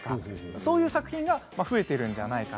そういう作品が増えているんじゃないかと。